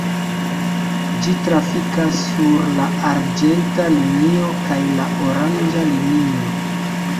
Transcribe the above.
Ĝi trafikas sur la arĝenta linio kaj la oranĝa linio.